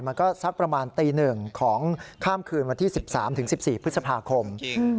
มันก็สักประมาณตีหนึ่งของข้ามคืนวันที่สิบสามถึงสิบสี่พฤษภาคมอืม